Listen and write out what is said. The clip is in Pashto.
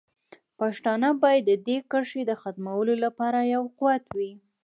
پښتانه باید د دې کرښې د ختمولو لپاره یو قوت وي.